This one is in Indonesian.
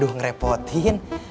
di udah ngerepotin